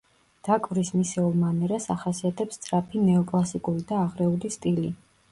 დაკვრის მისეულ მანერას ახასიათებს სწრაფი ნეო-კლასიკური და აღრეული სტილი.